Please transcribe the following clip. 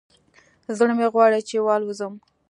زړه مې غواړي چې والوزم